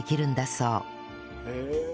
へえ。